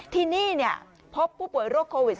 ที่นี่พบผู้ป่วยโรคโควิด๑๙